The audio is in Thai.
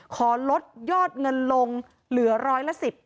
ขอลดยอดเงินลงเหลือร้อยละ๑๐